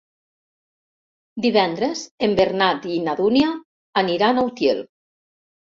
Divendres en Bernat i na Dúnia aniran a Utiel.